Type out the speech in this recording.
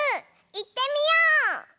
いってみよう！